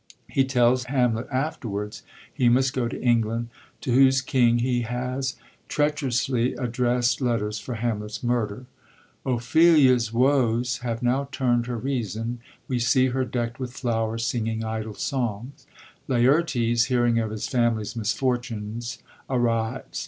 He tells Hamlet after wards he must go to England, to whose king he has treacherously addrest letters for Hamlet's murder. Ophelia's woes have now tumd her reason ; we see her deckt with flowers, singing idle songs. Laertes, hearing of his family's misfortunes, arrives.